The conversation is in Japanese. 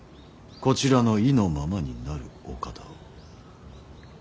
こちらの意のままになるお方を。